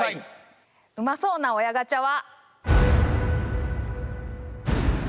うまそうな「親ガチャ」は。